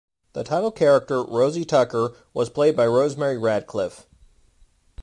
The title character, Rosie Tucker, was played by Rosemary Radcliffe.